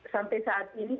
sampai saat ini